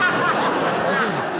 大丈夫ですか？